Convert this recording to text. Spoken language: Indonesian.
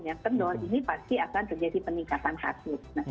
yang kendor ini pasti akan terjadi peningkatan kasus